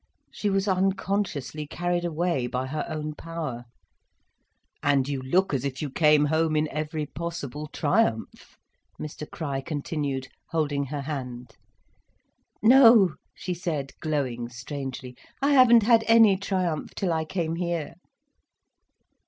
She was unconsciously carried away by her own power. "And you look as if you came home in every possible triumph," Mr Crich continued, holding her hand. "No," she said, glowing strangely. "I haven't had any triumph till I came here."